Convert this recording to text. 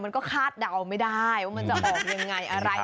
คาดเดาไม่ได้ว่ามันจะออกยังไงอะไร